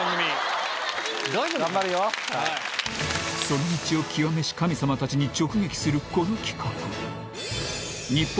その道を究めし神様たちに直撃するこの企画